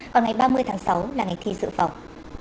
và ngày ba mươi tháng sáu là ngày thi dự phòng